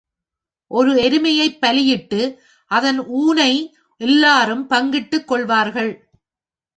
ஓர் எருமையைப் பலியிட்டு, அதன் ஊனை எல்லாரும் பங்கிட்டுக் கொள்வார்கள்.